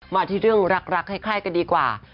มาที่เรื่องรักให้ใครก็ดีกว่า